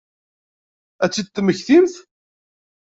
Ad tt-id-temmektim?